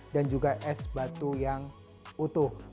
dan juga es batu yang utuh